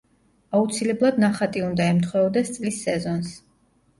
აუცილებლად ნახატი უნდა ემთხვეოდეს წლის სეზონს.